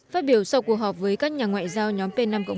phát biểu sau cuộc họp với các nhà ngoại giao nhóm p năm một